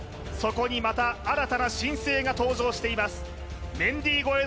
そこにまた新たな新星が登場しています